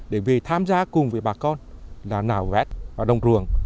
để về tham gia cùng với bà con là nạo vét vào đồng ruộng